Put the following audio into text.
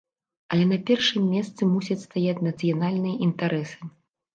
Але на першым месцы мусяць стаяць нацыянальныя інтарэсы.